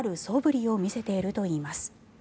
そぶりを見せているといいます。